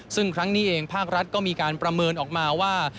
ซึ่งครั้งนี้เองภาครัฐก็มีการประเมินออกมาว่า